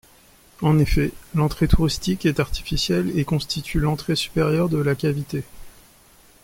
En effet, l'entrée touristique est artificielle et constitue l'entrée supérieure de la cavité.